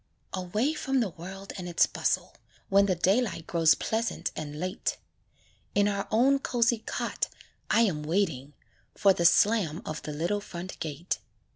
Away from the world and its bustle, When the daylight grows pleasant and late; In our own cosy cot, I am waiting For the slam of the little front gate.